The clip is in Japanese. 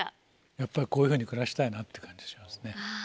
やっぱりこういうふうに暮らしたいなって感じしますね。